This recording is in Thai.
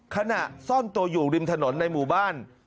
ขณะซ่อนตัวอยู่ริมถนนในหมู่บ้าน